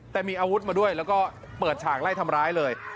แต่มีอาวุธมาด้วยแล้วก็เปิดฉากไล่ทำร้ายเลย